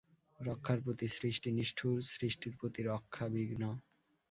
রক্ষার প্রতি সৃষ্টি নিষ্ঠুর, সৃষ্টির প্রতি রক্ষা বিঘ্ন।